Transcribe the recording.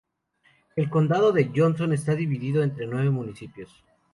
El condado de Johnson está dividido entre nueve municipios.